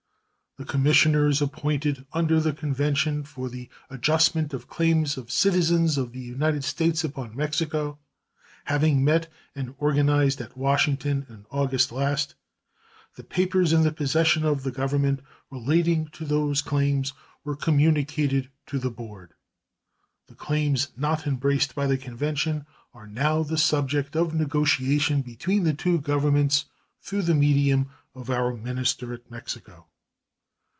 The commissioners appointed under the convention for the adjustment of claims of citizens of the United States upon Mexico having met and organized at Washington in August last, the papers in the possession of the Government relating to those claims were communicated to the board. The claims not embraced by that convention are now the subject of negotiation between the two Governments through the medium of our minister at Mexico.